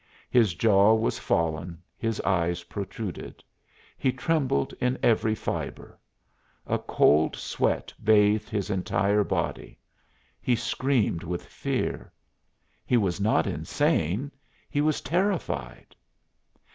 His jaw was fallen; his eyes protruded; he trembled in every fibre; a cold sweat bathed his entire body; he screamed with fear. He was not insane he was terrified.